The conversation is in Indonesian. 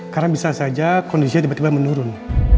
karena bisa saja kondisinya tiba tiba menurun